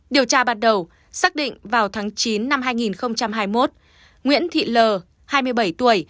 điều tra ban đầu xác định vào tháng chín năm hai nghìn hai mươi một nguyễn thị l hai mươi bảy tuổi